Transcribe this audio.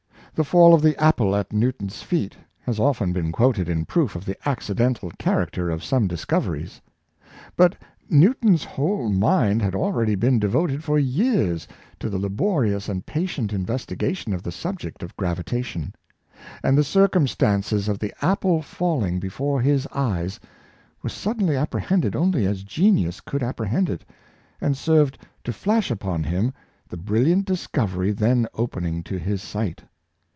The fall of the apple at Newton's feet has often been quoted in proof of the accidental character of some discoveries. But Newton's whole mind had already been devoted for years to the labori ous and patient investigation of the subject of gravita tion; and the circumstances of the apple falling before his eyes was suddenly apprehended only as genius could 244 Intelligent Observation, apprehend it, and served to flash upon him the brilhant discovery then opening to his sight.